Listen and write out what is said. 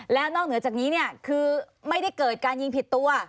แล้วนอกเหนือจากนี้เนี่ยคือไม่ได้เกิดการยิงผิดตัว